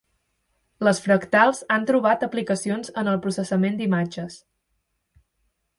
Les fractals han trobat aplicacions en el processament d'imatges.